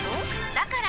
だから！